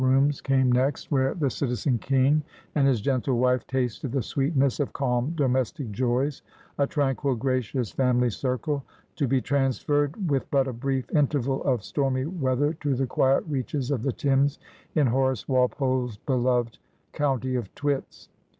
29 rooms came next, where the Citizen King and his gentle wife tasted the sweetness of calm domestic joys ; a tranquil gracious family circle ; to be transferred, with but a brief interval of stormy weather, to the quiet reaches of the Thames, in Horace Walpole's beloved ' County of Twits.'